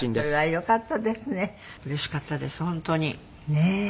ねえ。